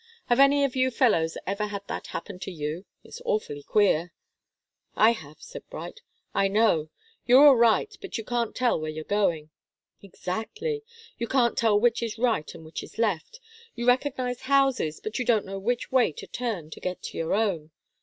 Have any of you fellows ever had that happen to you? It's awfully queer?" "I have," said Bright. "I know you're all right, but you can't tell where you're going." "Exactly you can't tell which is right and which is left. You recognize houses, but don't know which way to turn to get to your own.